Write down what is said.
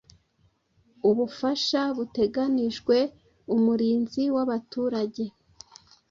Ubufasha buteganijwe umurinzi wabaturage